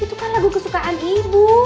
itu kan lagu kesukaan ibu